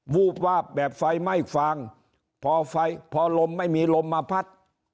วูบวาบแบบไฟไหม้ฟางพอไฟพอลมไม่มีลมมาพัด